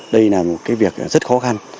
đây là một việc rất khó khăn